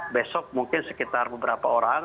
besok mungkin sekitar beberapa orang